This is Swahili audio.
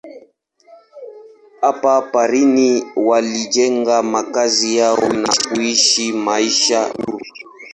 Hapa porini walijenga makazi yao na kuishi maisha huru.